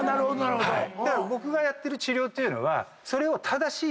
だから僕がやってる治療というのはそれを。